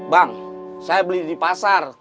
bang saya beli di pasar